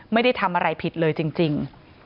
ไม่ได้ทำอะไรผิดเลยจริง